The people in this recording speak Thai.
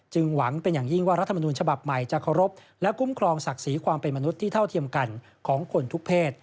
หวังเป็นอย่างยิ่งว่ารัฐมนูญฉบับใหม่จะเคารพและคุ้มครองศักดิ์ศรีความเป็นมนุษย์ที่เท่าเทียมกันของคนทุกเพศ